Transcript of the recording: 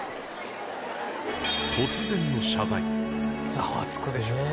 ざわつくでしょうね。